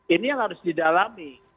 ini yang harus didalami